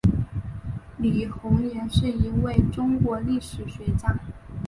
李洪岩是一位中国历史学家。